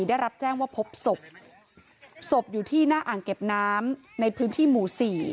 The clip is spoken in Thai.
ได้รับแจ้งว่าพบศพศพอยู่ที่หน้าอ่างเก็บน้ำในพื้นที่หมู่สี่